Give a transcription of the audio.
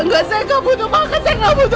enggak saya gak butuh makan saya gak butuh